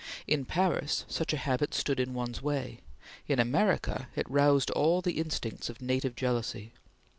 In Paris, such a habit stood in one's way; in America, it roused all the instincts of native jealousy.